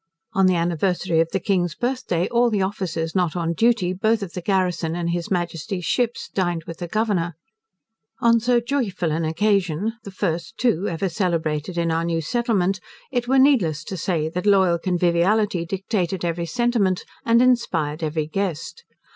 On the anniversary of the King's birthday all the officers not on duty, both of the garrison and his Majesty's ships, dined with the Governor. On so joyful an occasion, the first too ever celebrated in our new settlement, it were needless to say, that loyal conviviality dictated every sentiment, and inspired every guest.